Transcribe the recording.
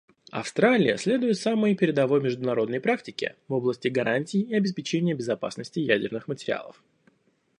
Австралия следует самой передовой международной практике в области гарантий и обеспечения безопасности ядерных материалов.